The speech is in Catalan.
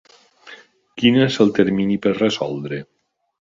Quin és el termini per resoldre?